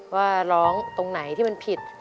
ว่าร้องตรงไหนที่มันผิด